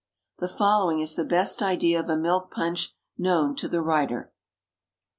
The following is the best idea of a milk punch known to the writer: 4.